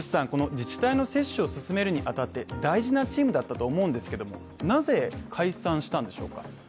自治体の接種を進めるに当たって大事なチームだったと思うんですけどもなぜ、解散したんでしょうか。